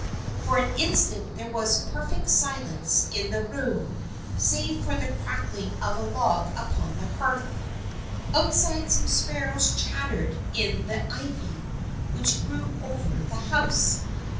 For an instant there was perfect silence in the room, save for the crackling of a log upon the hearth. Outside some sparrows chattered in the ivy which grew over the house.